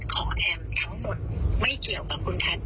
ขอแอมท์ทั้งหมดไม่เกี่ยวกับคุณพัฒน์